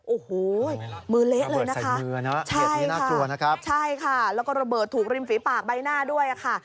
โอ้โหมือเละเลยนะคะใช่ค่ะแล้วก็ระเบิดถูกริมฝีปากใบหน้าด้วยค่ะ